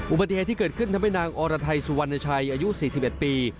อุบัติเหตุที่เกิดขึ้นทำให้นางอรไทยสุวรรณชัยอายุ๔๑ปี